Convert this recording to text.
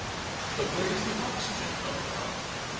But where does the oxygen come from?